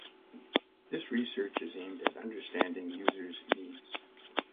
This research is aimed at understanding users needs.